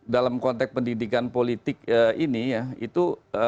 dalam konteks pendidikan politik ini ya itu